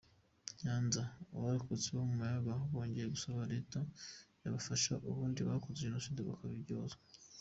Nyanza: Abarokotse bo mu Mayaga bongeye gusaba Leta ko yabafasha Abarundi bakoze jenoside bakabiryozwa.